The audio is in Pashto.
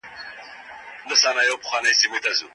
روغتیایی ټولنپوهان د ناروغ مسؤلیت پخپله اخلي.